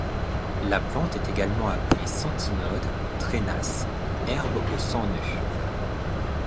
La plante est également appelée centinode, trainasse, herbe aux cent nœuds.